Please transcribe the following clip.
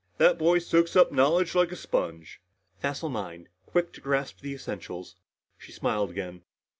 That boy soaks up knowledge like a sponge." "Facile mind quick to grasp the essentials." She smiled again.